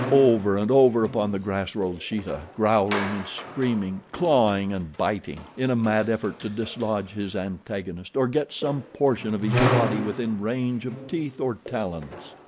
Over and over upon the grass rolled Sheeta, growling and screaming, clawing and biting, in a mad effort to dislodge his antagonist or get some portion of his body within range of teeth or talons.